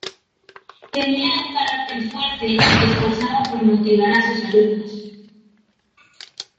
Tenía un carácter fuerte, y se esforzaba por motivar a sus alumnos.